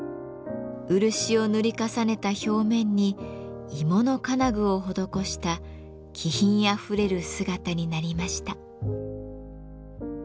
漆を塗り重ねた表面に鋳物金具を施した気品あふれる姿になりました。